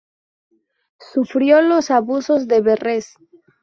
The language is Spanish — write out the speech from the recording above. Sufrió los abusos de Verres.